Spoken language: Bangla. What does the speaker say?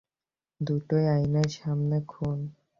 দুটোই আইনের সামনে খুন।